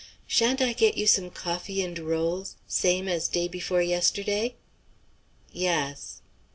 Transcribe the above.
"Sha'n't I get you some coffee and rolls same as day before yesterday?" "Yass."